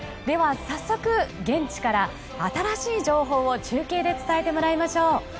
では、早速現地から新しい情報を中継で伝えてもらいましょう。